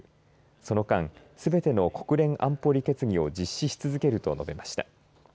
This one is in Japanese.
その間すべての国連安保理決議を実施し続けると述べました。